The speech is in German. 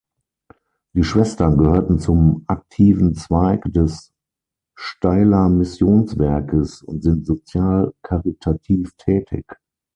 Die Schwestern gehörten zum aktiven Zweig des Steyler Missionswerkes und sind sozial-karitativ tätig.